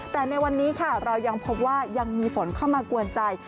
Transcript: แต่ในวันนี้ค่ะเรายังพบว่ายังมีฝนเข้ามากวนใจ